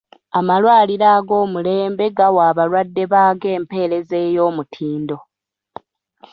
Amalwaliro ag'omulembe gawa abalwadde baago empeereza ey'omutindo.